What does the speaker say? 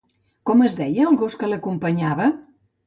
Com es deia el gos que l'acompanyava?